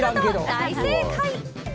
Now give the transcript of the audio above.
大正解。